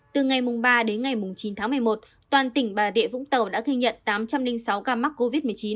từ ngày ba đến ngày chín tháng một mươi một toàn tỉnh bà rịa vũng tàu đã ghi nhận tám trăm linh sáu ca mắc covid một mươi chín